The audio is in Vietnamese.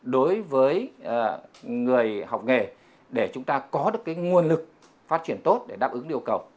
đối với người học nghề để chúng ta có được cái nguồn lực phát triển tốt để đáp ứng yêu cầu